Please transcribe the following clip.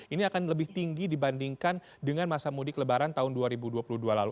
ini akan lebih tinggi dibandingkan dengan masa mudik lebaran tahun dua ribu dua puluh dua lalu